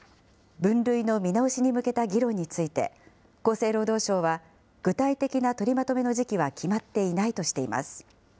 分類の見直しに向けた議論について、厚生労働省は具体的な取りまとめの時期は決まっていないとしています。